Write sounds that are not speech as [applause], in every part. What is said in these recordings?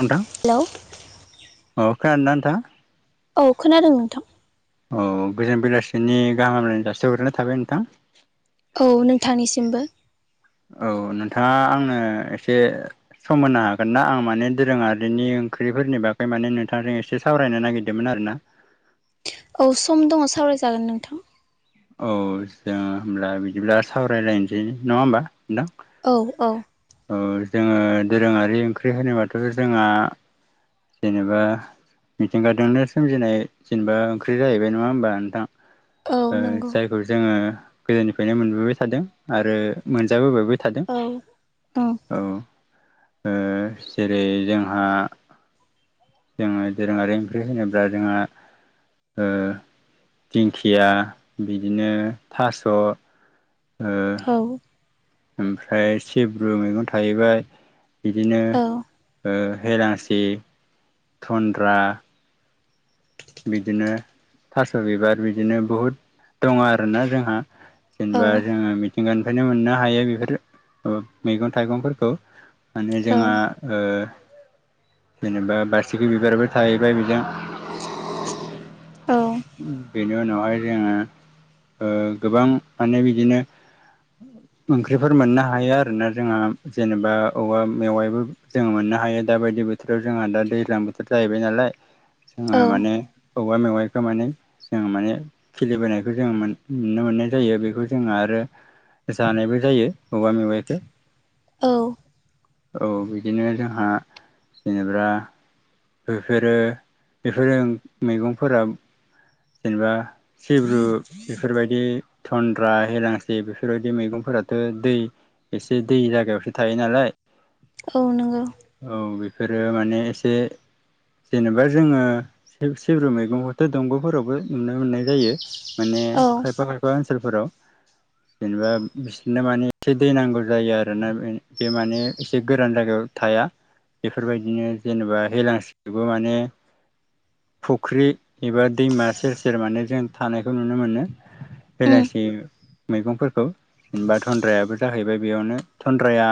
नोंथां हेल' अ खोनादोना नोंथां । औ खोनादों नोंथां औ गोजोन बेलासिनि गाहामलायनो जासि हरग्रोनाय थाबाय नोंथां औ नोंथांनिसिमबो औ नोंथाङा आंनो एसे सम होनो हागोन ना आं माने दोरोङारिनि ओंख्रिफोरनि बागै माने नोंथजों एसे सावरायनो नागिरदोंमोन आरोना । औ सम दङ सावरायजागोन नोंथां । औ जों होनोमब्ला बिदिब्ला सावरायलायनोसै नङा होमबा औ औ औ जोङो दोरोङारि ओंख्रि होनोबाथ' जोंहा जेनेबा मिथिंगाजोंनो सोमजिनाय जेनेबा ओंख्रि जाहैबाय नङा होमबा नोंथां औ नंगौ जायखौ जोङो गोदोनिफ्रायनो मोनबोबाय थादों आरो मोनजाबोबायबो थादों औ ओम औ ओ जेरै जोंहा जोङो दोरोङारि ओंख्रि होनोब्ला जोंहा ओ दिंखिया बिदिनो थास' औ ओमफ्राय सिब्रु मैगं थाहैबाय बिदिनो औ ओ हेलाांसि थनन्द्रा बिदिनो थास' बिबार बिदिनो बहुद दङ आरोना जोंहा। औ जेनेबा जोङो मिथिंगानिफ्रायनो मोननो हायो बेफोर मैगं थाइगंफोरखौ माने जोंहा ओ जेनेबा बारसिखि बिबाराबो थाहैबाय बिजों औ बेनि उनावहाय जोङो ओ गोबां माने बिदिनो [inaudible] ओंख्रिफोर मोननो हायो आरोना जोंहा जेनेबा औवा मेवायबो जोङो मोननो हायो दा बायदिआव । बोथोराव जोंहा दा दैज्लां बोथोर जाहैबाय नालाय जोंहा औ माने औवा मेवाआइ खो माने जों माने खिलिबोनायखौ जों नुनो मोननाय जायो बेखौ जोङो आरो। जानायबो जायो औवा मेवाइखौ। औ औ बिदिनो जोंहा जेनेबा बेफोरो बेफोरो मैगंफोरा जेनेबा सिब्रु बेफोरबायदि थन्द्रा हेलांसि बेफोरबायदि मैगं फोरथ' दै एसे दै जायागायावसो थायो नालाय औ नंगौ। औ बेफोरो माने एसे जेनेबा जोङो सिब्रु मैगंखौथ' दंग फोरावबो नुनो मोननाय जायो माने औ खायफा खायफा ओनसोलफोराव जेनेबा बिसोरनो माने एसे दै नांगौ जायो आरोना बे माने एसे गोरान जायगायाव थाया बेफोरबायदिनो जेनेबा हेलांसिखोबो माने फुख्रि एबा दैमा सेर सेर माने जों थानायखौ नुनो मोनो। ओम बेलासि मैगंफोरखौ। जेनेबा थन्द्रायाबो जाहैबाय बेयावनो थन्द्राया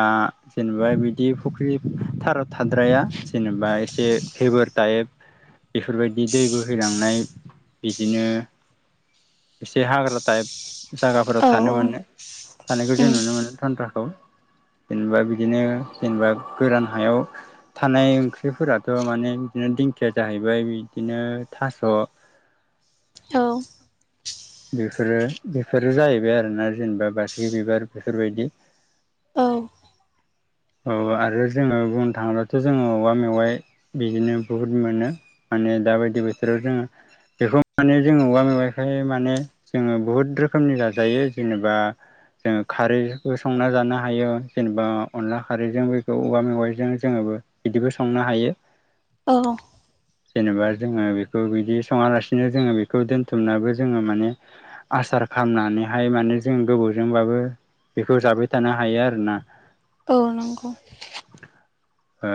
जेनेबा बिदि फुख्रि थार थाद्राया जेनेबा एसे फेबार टाइप बेफोरबायदि दै बोहैलांनाय बिदिनो एसे हाग्रा टाइप जायगाफोराव औ थानो ओम मोनो थानायखौ जों नुनो मोनो थन्द्राखौ। जेनेबा बिदिनो जेनेबा गोरान हायाव थानाय ओंख्रिफोराथ' माने बिदिनो दिंखिया जाहैबाय बिदिनो थास'। औ बेफोरो बेफोरो जाहैबाय आरोना जेनेबा बासिगि बिबार बेफोरबायदि [inaudible] औ [inaudible] औ आरो जोङो बुंनो थाङोब्लाथ' जोङो औवा मेवाइ बिदिनो बुहुद मोनो माने। दा बायदि बोथोराव जोङो बेखौ माने जोङो औवा मेवाइखाय माने जोङो बुहुद रोखोमनि जाजायो जेनेबा जोङो खारैबो संना जानो हायो जेनेबा अनला खारैजों बेखौ औवा मेवाइजों जोङो बिदिबो संनो हायो। औ जेनेबा जोङो बेखौ बिदि सङालासिनो जोङो बेखौ दोन्थुमनानैबो जोङो माने आसार खालामनानैहाय माने जों गोबाव जोंबाबो बेखौ जाबाय थानो हायो आरोना। औ नंगौ। ओ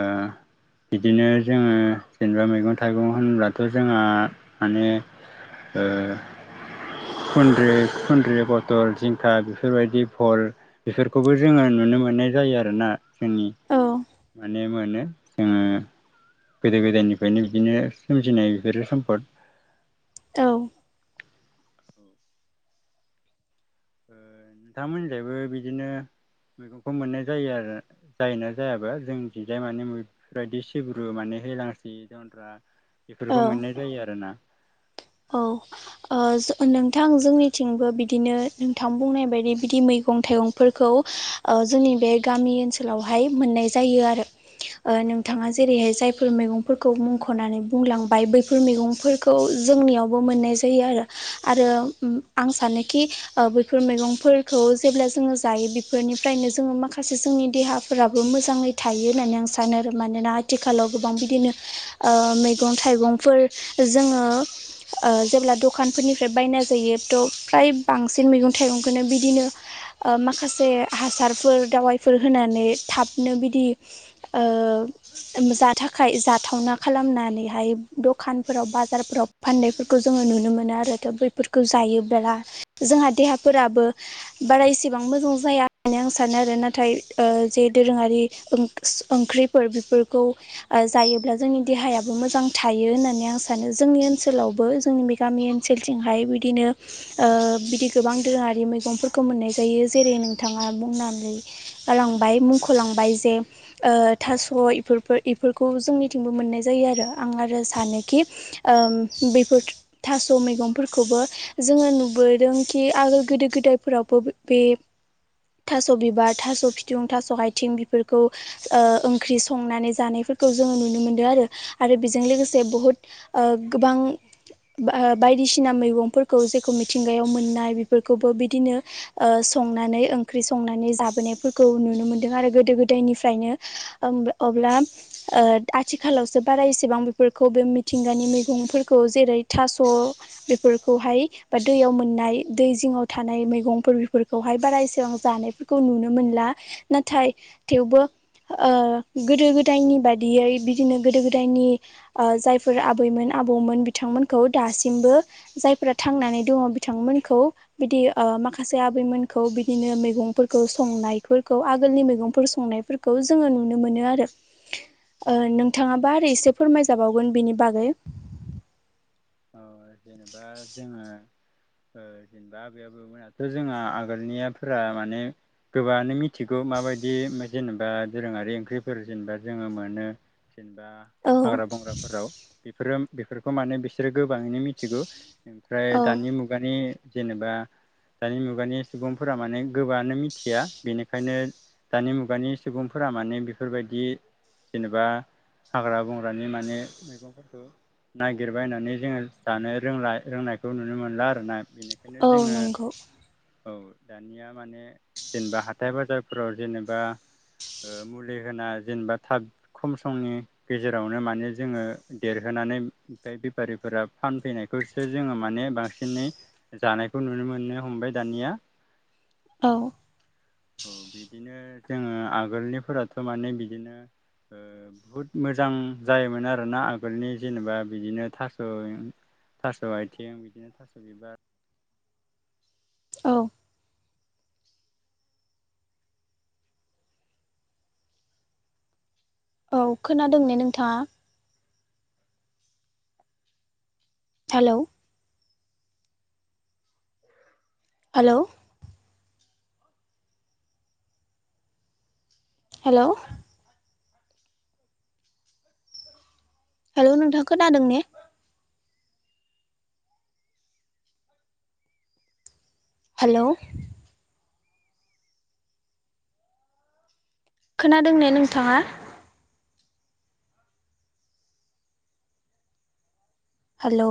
बिदिनो जोङो जेनेबा मैगं थाइगं होनब्लाथ' जोंहा माने ओ खुन्द्रि खुन्द्रि फथल जिंखा बेफोरबायदि भल बेफोरखौबो जोङो नुनो मोननाय जायो आरोना जोंनि औ माने मोनो जोङो। गोदो गोदायनिफ्रायनो बिदिनो सोमजिनाय बेफोरो सम्पद औ ओ नोंथांमोननिजायबो बिदिनो मैगंखौ मोननाय जायो आरो जायोना जायाबा जों थिंजाय मानेफोरबायदि सिब्रु माने हेलांसि जन्द्रा औ बेफोरखौ मोननाय जायो आरोना। औ ओ नोंथां जोंनिथिंबो बिदिनो नोंथां बुंनाय बायदि बिदि मै मैगं थाइगंफोरखौ ओ जोंनि बे गामि ओनसोलावहाय मोननाय जायो आरो। ओ औ नोंथाङा जेरैहाय जायफोर मैगंफोरखौ मुंख'नानै बुंलांबाय बैफोर मैगंफोरखौ जोंनियावबो मोननाय जायो आरो, आरो आं सानोखि ओ बेैफोर मैगंफोरखौ जेब्ला जोङो जायो बेफोरनिफ्रायनो जोङो माखासे जोंनि देहाफोराबो मोजाङै थायो होननानै आं सानो आरो मानोना आथिखालाव गोबां बिदिनो ओ मैगं थाइगंफोर जोङो ओ जेब्ला दखानफोरनिफ्राय बायना जायो थ' फ्राय बांसिन मैगं थाइगंखौनो बिदिनो ओ माखासे हासारफोर दावाइफोर होनानै थाबनो बिदि ओ जा थाखाय जाथावना खालामनानैहाय दखानफोराव बाजारफोराव फान्नायफोरखौ जोङो नुनो मोनो आरो। दा बैफोरखौ जायोबोला जोंहा देहाफोराबो बारा एसेबां मोजां जाया होननानै आं सानो आरो नाथाय ओ जे दोरोङारि ओं ख्रिफोर बेफोरखौ ओ जायोब्ला जोंनि देहायाबो मोजां थायो होननानै आं सानो। जोंनि ओनसोल आवबो जोंनि गामि ओनसोलथिंहाय बिदिनो बिदि गोबां दोरोङारि मैगंफोरखौ मोननाय जायो जेरै नोंथाङा बुंनानै गालांबाय मुंख'लांबाय जे ओ थास' इफोर इफोरखौ जोंनिथिंबो मोननाय जायो आरो आं आरो सानोखि ओम बेफोर थास' मैगंफोरखौबो जोङो नुबोदों खि आगोल गोदो गोदायफोराव [unintelligible] बे थास' बिबार, थास' फिथुं, थास' आयथिं बेफोरखौ ओ ओंख्रि संनानै जानाय फोरखौ जोङो नुनो मोनदों आरो आरो बेजों लोगोसे बहुत ओ गोबां बायदिसिना मैगंफोरखौ जेखौ मिथिंगायाव मोननाय बेफोरखौबो बिदिनो ओ संनानै ओंख्रि संनानै जाबोनायफोरखौ नुनो मोनदों आरो गोदो गोदायनिफ्रायनो ओम औ अब्ला ओ आथिखालावसो बारा इसेबां बेफोरखौ बे मिथिंगानि मैगंफोरखौ जेरै थास' बेफोरखौहाय बा दैयाव मोननाय दै जिङाव थानाय मैगंफोर बेफोरखौहाय बारा एसेबां जानायफोरखौ नुनो मोनला नाथाय थेवबो ओ गोदो गोदायनि बादियै बिदिनो गोदो गोदायनि ओ जायफोर आबैमोन आबौमोन बिथांमोनखौ दासिमबो जायफोरा थांनानै दङ बिथांमोनखौ बिदि ओ माखासे आबैमोनखौ बिदिनो मैगंफोरखौ संनायफोरखौ आगोलनि मैगंफोर संनायफोरखौ जों जोङो नुनो मोनो आरो ओ औ नोंथाङाबा आरो एसे फोरमायजाबावगोन बेनि बागै। औ जेनेबा जोङो ओ जेनेबा आबै आबौमोनाथ' जोंहा आगोलनियाफोरा माने गोबाङानो मिथिगौ माबा दि जेनेबा दोरोङारि ओंख्रिफोर जेनेबा जोङो मोनो जेनेबा औ हाग्रा बंग्राफोराव बेफोरो बेफोरखौ माने बिसोरो गोबाङैनो मिथिगौ। ओमफ्राय औ दानि मुगानि जेनेबा दानि मुगानि सुबुंफोरा माने गोबाङानो मिथिया बेनिखायनो दानि मुगानि सुबुंफोरा माने बेफोरबायदि जेनेबा हाग्रा बंग्रानि माने मैगंफोरखौ नागिर बायनानै जोङो जानो रोंला रोंनायखौ नुनो मोनला आरोना बेनिखायनो औ जोङो नंगौ औ दानिया माने जेनेबा हाथाय बाजारफोराव जेनेबा ओ मुलि होना जेनेबा थाब खम समनि गेजेरावनो माने जोङो देरहो नानै फ्राय बेफारिफोरा फानफैनायखौसो जोङो माने बांसिनै जानायखौ नुनो मोननो हमबाय दा निया। औ। औ बिदिनो जोङो आगोलनिफोराथ' माने बिदिनो बहुद मोजां जायोमोन आरोना आगोलनि जेनेबा बिदिनो थास' थास' आथिं बिदिनो थास' बिबार औ। औ खोनादों ने नोंथाङा? हेलौ? हेलौ? हेल'। हेलौ नोंथां खोनादों ने? हेलौ। खोनादों ने नोंथाङा? हेलौ।